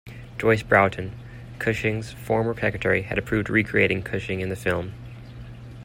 Joyce Broughton, Cushing's former secretary, had approved recreating Cushing in the film.